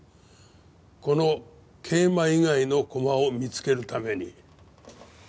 この桂馬以外の駒を見つけるために。